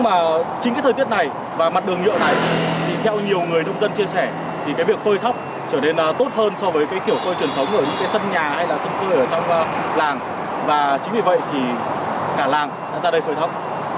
và chính vì vậy thì cả làng đã ra đây phơi thóc